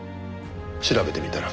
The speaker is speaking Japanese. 調べてみたら。